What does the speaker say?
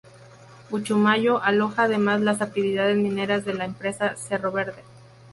Uchumayo aloja además las actividades mineras de la empresa Cerro Verde.